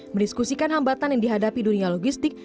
mendiskusikan hambatan yang dihadapi dunia logistik